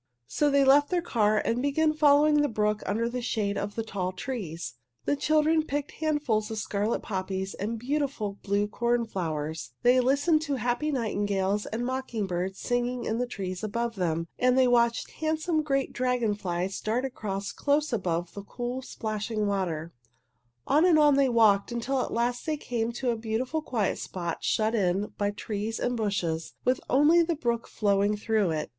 So they left their car and began following the brook under the shade of the tall trees. The children picked handfuls of scarlet poppies and beautiful blue cornflowers. They listened to the happy nightingales and mocking birds singing in the trees above them, and they watched handsome great dragon flies dart along close above the cool, splashing water. On and on they walked, until at last they came to a beautiful, quiet spot shut in by trees and bushes, with only the brook flowing through it.